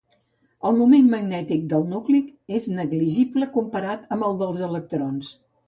El moment magnètic del nucli és negligible comparat amb el dels electrons.